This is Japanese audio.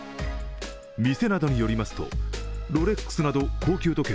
店などによりますとロレックスなど高級時計